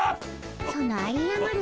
そのありあまる